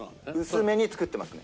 薄めに作ってます